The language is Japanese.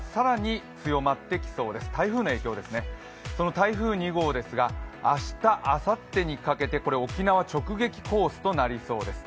台風２号ですが、明日、あさってにかけて沖縄直撃コースとなりそうです。